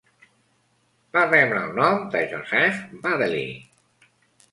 Va rebre el nom de Joseph Baddeley.